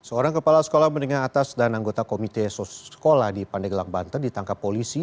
seorang kepala sekolah menengah atas dan anggota komite sekolah di pandeglang banten ditangkap polisi